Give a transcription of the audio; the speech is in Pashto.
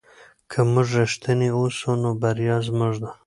که موږ رښتیني اوسو نو بریا زموږ ده.